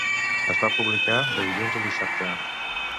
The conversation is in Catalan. Es va publicar de dilluns a dissabte.